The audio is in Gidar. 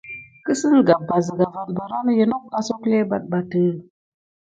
Kine siga mis suke aɗaska vin mis darkiwune kankure kisérè kiné bay wukemti.